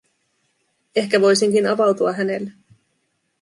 Ehkä voisinkin avautua hänelle.